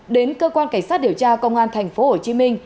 đến cơ quan cảnh sát điều tra công an tp hcm